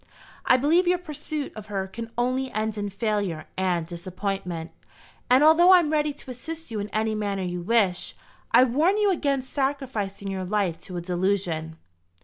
I believe your pursuit of her can only end in failure and disappointment; and although I am ready to assist you in any manner you wish, I warn you against sacrificing your life to a delusion."